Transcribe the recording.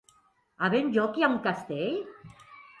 A Benlloc hi ha un castell?